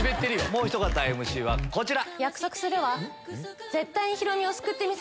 もうひと方ＭＣはこちら。